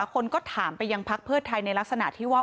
คนก็ถามไปยังพักเพื่อไทยในลักษณะที่ว่า